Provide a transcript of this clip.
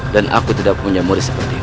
dan aku tidak punya murid sepertimu